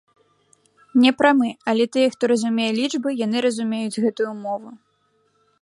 Не прамы, але тыя, хто разумее лічбы, яны разумеюць гэтую мову.